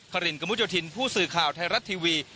รินกระมุดโยธินผู้สื่อข่าวไทยรัฐทีวี